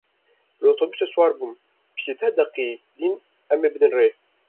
Li otobusê siwar bûm, pişti deh deqe din em ê bidin rê.